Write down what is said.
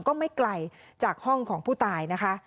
ก็ไม่ไกลจากห้องของผู้ตายนะคะ